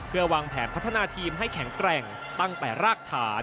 เพื่อวางแผนพัฒนาทีมให้แข็งแกร่งตั้งแต่รากฐาน